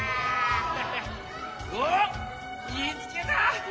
おっみつけた。